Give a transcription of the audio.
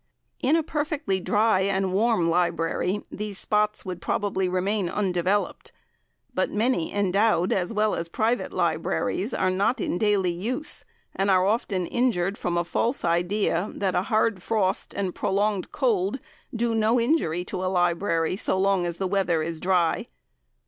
In a perfectly dry and warm library these spots would probably remain undeveloped, but many endowed as well as private libraries are not in daily use, and are often injured from a false idea that a hard frost and prolonged cold do no injury to a library so long as the weather is dry.